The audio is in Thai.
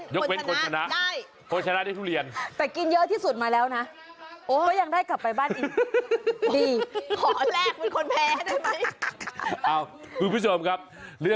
ยกเว้นคนชนะได้